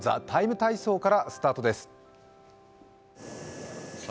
「ＴＨＥＴＩＭＥ，体操」からスタートです。